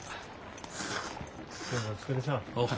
今日もお疲れさん。